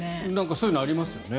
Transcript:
そういうのありますよね。